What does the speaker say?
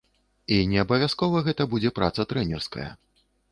І неабавязкова гэта будзе праца трэнерская.